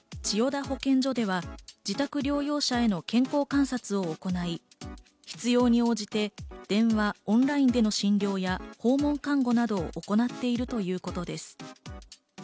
千代田保健所では自宅療養者への健康観察を行い、必要に応じて電話、オンラインでの診療や訪問看護などを行っているということです。